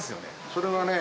それはね